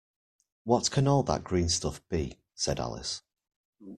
‘What can all that green stuff be?’ said Alice.